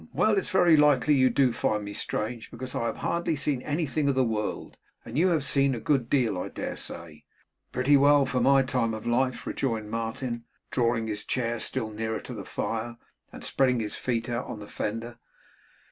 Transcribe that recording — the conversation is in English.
'Well, it's very likely you do find me strange, because I have hardly seen anything of the world, and you have seen a good deal I dare say?' 'Pretty well for my time of life,' rejoined Martin, drawing his chair still nearer to the fire, and spreading his feet out on the fender.